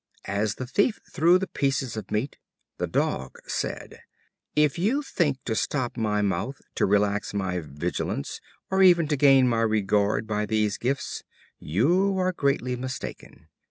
As the Thief threw him the pieces of meat, the Dog said: "If you think to stop my mouth, to relax my vigilance, or even to gain my regard by these gifts, you will be greatly mistaken.